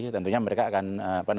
tentunya mereka akan